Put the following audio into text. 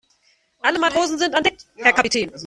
Alle Matrosen sind an Deck, Herr Kapitän.